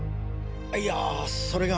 あいやそれが。